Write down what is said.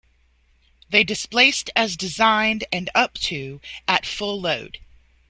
They displaced as designed and up to at full load.